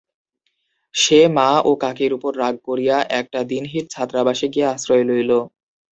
সে মা ও কাকীর উপর রাগ করিয়া একটা দীনহীন ছাত্রাবাসে গিয়া আশ্রয় লইল।